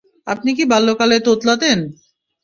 আপনি কি বাল্যকালে তোতলাতেন?